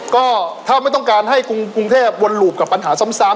ก็ถ้าไม่ต้องการให้กรุงเทพวนหลูบกับปัญหาซ้ำ